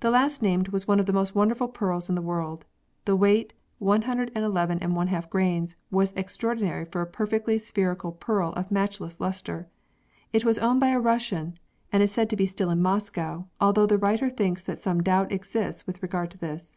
The last named was one of the most wonderful pearls in the world. The weight, 111^ grains, was extraordinary for a perfectly spheri cal pearl of matchless lustre. It was owned by a Russian and is said to be still in Moscow, although the writer thinks that some doubt exists with regard to this.